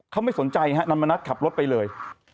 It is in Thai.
เขาไม่สนใจฮะนำมณัฐขับรถไปเลย